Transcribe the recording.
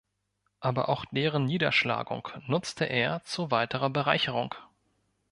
Aber auch deren Niederschlagung nutzte er zu weiterer Bereicherung.